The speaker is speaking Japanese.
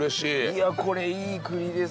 いやこれいい栗です